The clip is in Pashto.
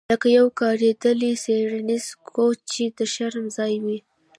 لکه یو کاریدلی څیړنیز کوچ چې د شرم ځای وي